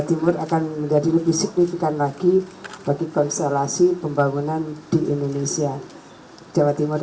timur akan menjadi lebih signifikan lagi bagi konstelasi pembangunan di indonesia jawa timur